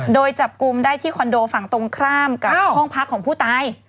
โดยจับกลุ่มได้ที่คอนโดฝั่งตรงข้ามกับห้องพักของผู้ตาย